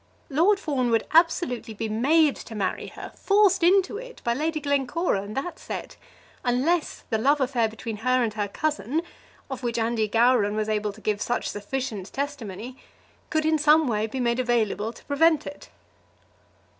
Lord Fawn would absolutely be made to marry her, forced into it by Lady Glencora and that set, unless the love affair between her and her cousin, of which Andy Gowran was able to give such sufficient testimony, could in some way be made available to prevent it.